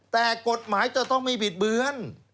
แต่กฎหมายจะต้องไม่บิดเบือน